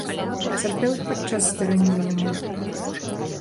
Пацярпелых падчас здарэння няма.